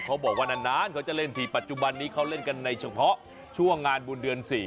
เขาบอกว่านานเขาจะเล่นทีปัจจุบันนี้เขาเล่นกันในเฉพาะช่วงงานบุญเดือน๔